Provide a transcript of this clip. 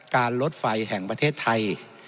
รถไฟแห่งประเทศไทย